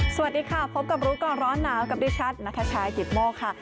สวัสดีค่ะพบกับรู้ก่อนร้อนหนาวกับดิฉันนัทชายกิตโมกค่ะ